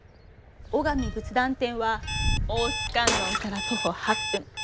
尾上仏壇店は大須観音から徒歩８分。